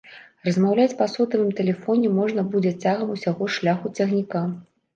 Размаўляць па сотавым тэлефоне можна будзе цягам усяго шляху цягніка.